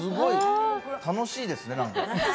楽しいですね、何か。